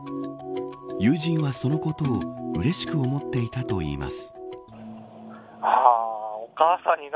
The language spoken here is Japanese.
友人は、そのことをうれしく思っていたといいます。